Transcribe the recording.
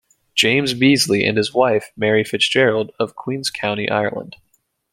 James Beesly and his wife, Mary Fitzgerald, of Queen's county, Ireland.